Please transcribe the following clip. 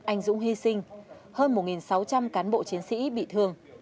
anh dũng hy sinh hơn một sáu trăm linh cán bộ chiến sĩ bị thương